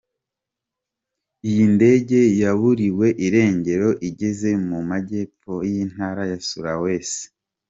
Iyi ndege yaburiwe irengero igeze mu Majyepfo y'intara ya Sulawesi.